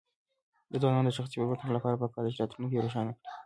د ځوانانو د شخصي پرمختګ لپاره پکار ده چې راتلونکی روښانه کړي.